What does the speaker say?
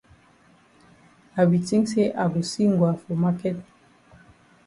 I be tink say I go see Ngwa for maket.